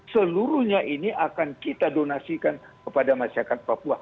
seluruhnya ini akan kita donasikan kepada masyarakat papua